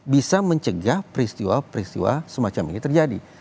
bisa mencegah peristiwa peristiwa semacam ini terjadi